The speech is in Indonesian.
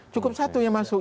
cukup satu yang masuk